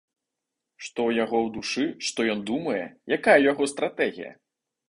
Што ў яго ў душы, што ён думае, якая ў яго стратэгія?